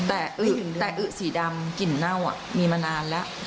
แต่อึสีดำกลิ่นเน่ามีมานานแล้ว